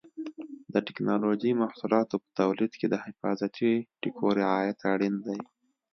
د ټېکنالوجۍ محصولاتو په تولید کې د حفاظتي ټکو رعایت اړین دی.